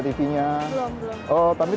mau ke bandung deh